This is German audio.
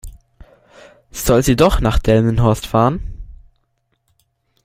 Soll sie doch nach Delmenhorst fahren?